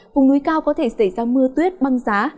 vùng núi cao có thể xảy ra mưa tuyết băng giá